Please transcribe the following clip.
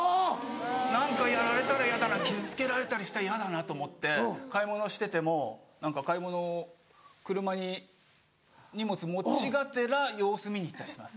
何かやられたらヤダな傷つけられたりしたらヤダなと思って買い物してても何か買い物車に荷物持ちがてら様子見に行ったりします。